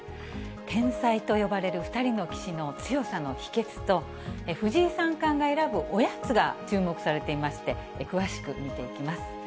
天才と呼ばれる２人の棋士の強さの秘けつと、藤井三冠が選ぶおやつが注目されていまして、詳しく見ていきます。